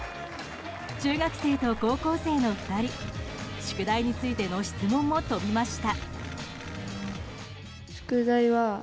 中学生と高校生の２人宿題についての質問も飛びました。